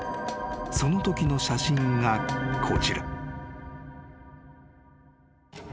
［そのときの写真がこちら］